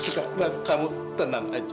suka bilang kamu tenang aja